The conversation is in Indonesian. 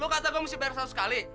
lo kata gue mesti bayar satu kali